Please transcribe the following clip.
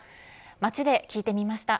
街で聞いてみました。